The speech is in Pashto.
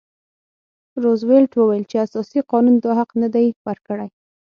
روزولټ وویل چې اساسي قانون دا حق نه دی ورکړی.